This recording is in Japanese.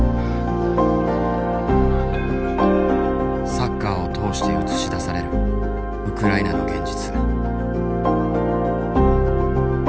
サッカーを通して映し出されるウクライナの現実。